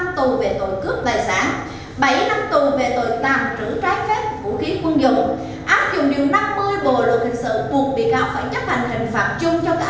bảy năm tù về tội tàng trữ trái phép vũ khí quân dụng áp dụng điều năm mươi bộ luật hình sự buộc bị cáo phải chấp hành hình phạm chung cho cả ba tội là tử hình